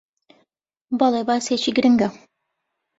بەڵێ، باسێکی گرینگە